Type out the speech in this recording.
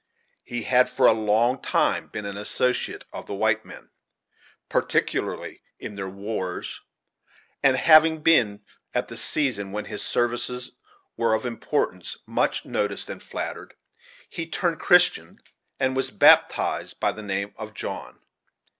He had for a long time been an associate of the white men, particularly in their wars, and having been, at the season when his services were of importance, much noticed and flattered, he had turned Christian and was baptized by the name of John.